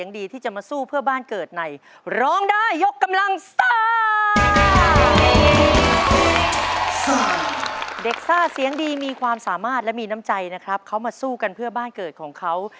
ซ่าเสียงดีมีความสามารถและมีน้ำใจนะครับเขามาสู้กันเพื่อบ้านเกิดของเขา